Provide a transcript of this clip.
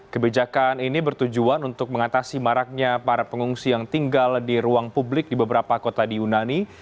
kebijakan ini bertujuan untuk mengatasi maraknya para pengungsi yang tinggal di ruang publik di beberapa kota di yunani